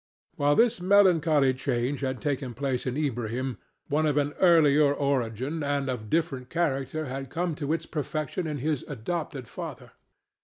While this melancholy change had taken place in Ilbrahim, one of an earlier origin and of different character had come to its perfection in his adopted father.